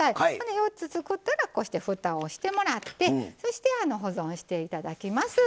４つ作ったらふたをしてもらってそして、保存していただきます。